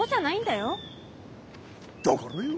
だからよ。